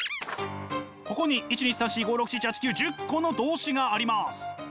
ここに１２３４５６７８９１０個の動詞があります。